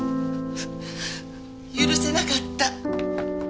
許せなかった。